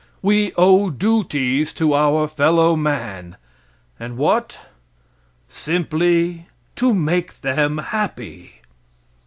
We owe duties to our fellow man. And what? Simply to make them happy.